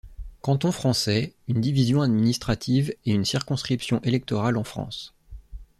Canton français, une division administrative et une circonscription électorale en France.